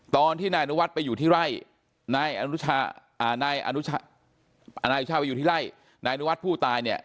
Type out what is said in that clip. ตอนที่นายอนุวัฒน์ไปอยู่ที่ไล่นายอนุวัฒน์ผู้ตายเนี่ย